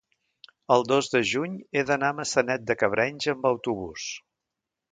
el dos de juny he d'anar a Maçanet de Cabrenys amb autobús.